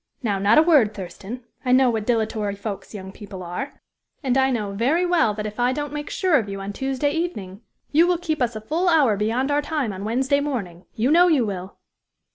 Now, not a word, Thurston, I know what dilatory folks young people are. And I know very well that if I don't make sure of you on Tuesday evening, you will keep us a full hour beyond our time on Wednesday morning you know you will."